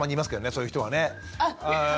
そういう人はね。